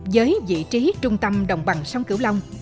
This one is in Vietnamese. với vị trí trung tâm đồng bằng sông cửu long